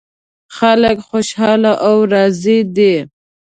خلک خوشحال او راضي دي